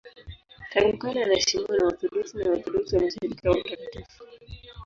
Tangu kale anaheshimiwa na Waorthodoksi na Waorthodoksi wa Mashariki kama mtakatifu.